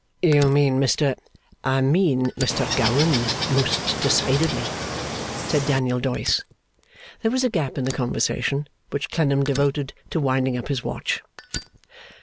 'You mean Mr ?' 'I mean Mr Gowan, most decidedly,' said Daniel Doyce. There was a gap in the conversation, which Clennam devoted to winding up his watch.